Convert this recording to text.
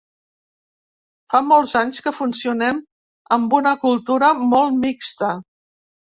Fa molts anys que funcionem amb una cultura molt mixta.